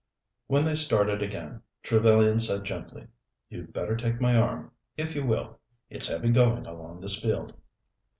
When they started again, Trevellyan said gently: "You'd better take my arm, if you will. It's heavy going along this field."